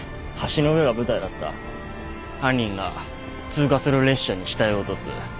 犯人が通過する列車に死体を落とす。